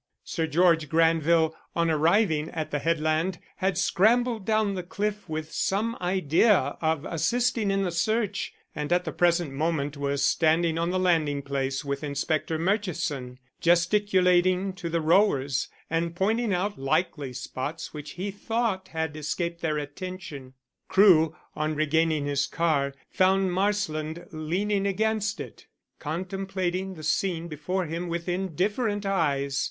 Sir George Granville, on arriving at the headland, had scrambled down the cliff with some idea of assisting in the search, and at the present moment was standing on the landing place with Inspector Murchison, gesticulating to the rowers, and pointing out likely spots which he thought had escaped their attention. Crewe, on regaining his car, found Marsland leaning against it, contemplating the scene before him with indifferent eyes.